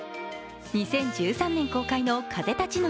２０１３年公開の「風立ちぬ」